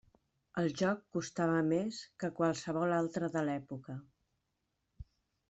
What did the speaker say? El joc costava més que qualsevol altre de l'època.